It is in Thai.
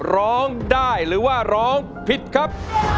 ร้องได้หรือว่าร้องผิดครับ